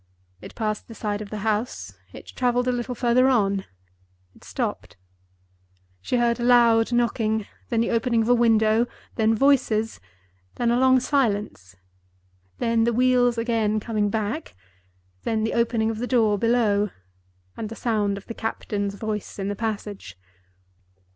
It passed the side of the house; it traveled a little further on; it stopped. She heard a loud knocking—then the opening of a window—then voices—then a long silence—than the wheels again coming back—then the opening of the door below, and the sound of the captain's voice in the passage.